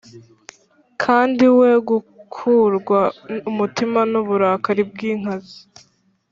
kandi we gukurwa umutima n uburakari bw inkazi